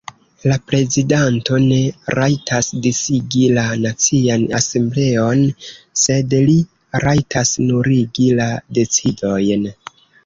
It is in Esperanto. La prezidanto ne rajtas disigi la Nacian Asembleon, sed li rajtas nuligi la decidojn.